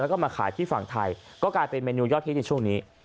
แล้วก็มาขายที่ฝั่งไทยก็กลายเป็นเมนูยอดฮิตในช่วงนี้